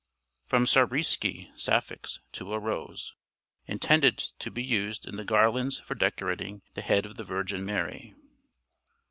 FROM SARBIEWSKI SAPPHICS TO A ROSE [Intended to be used in the garlands for decorating the head of the Virgin Mary.